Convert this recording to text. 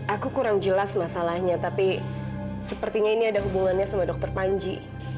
aku kurang jelas masalahnya tapi sepertinya ini ada hubungannya sama dokter panji